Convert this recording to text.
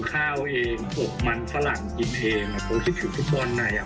ข้าวเองออกมันฝรั่งกินเองเพราะที่ถือฟุตบอลน่ะอยาก